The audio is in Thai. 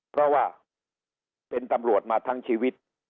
เพราะว่าเป็นตำรวจมาทั้งชีวิต